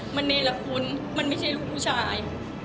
มันเนรคุณมันไม่ใช่ลูกผู้ชาย